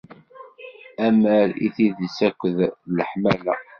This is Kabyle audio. Amer i tidet akked leḥmala.